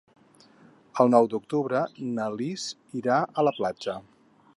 El nou d'octubre na Lis irà a la platja.